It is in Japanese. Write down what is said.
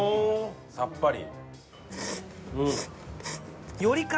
さっぱり。